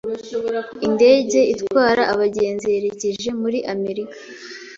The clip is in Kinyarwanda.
Indege itwara abagenzi yerekeje muri Amerika.